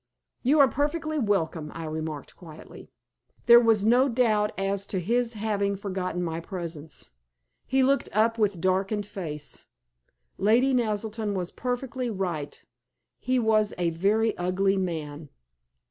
"You are perfectly welcome," I remarked, quietly. There was no doubt as to his having forgotten my presence. He looked up with darkened face. Lady Naselton was perfectly right. He was a very ugly man.